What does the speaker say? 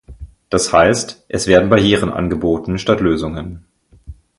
Das heißt, es werden Barrieren angeboten statt Lösungen.